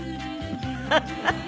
ハハハハ！